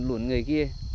luôn người kia